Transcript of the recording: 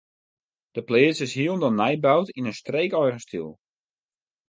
De pleats is hielendal nij boud yn in streekeigen styl.